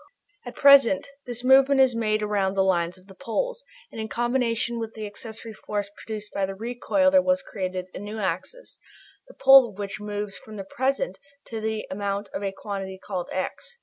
At present this movement is made around the lines of the poles, and in combination with the accessory force produced by the recoil there was created a new axis, the pole of which moves from the present to the amount of a quantity called "x."